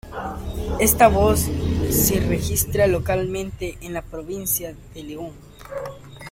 Esta voz se registra localmente en la provincia de León.